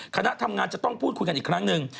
คณะทำงานจะต้องพูดคุยกันอีกครั้งหนึ่ง